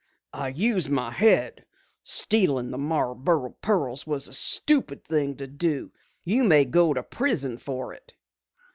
"I use my head! Stealing the Marborough pearls was a stupid thing to do. You may go to prison for it."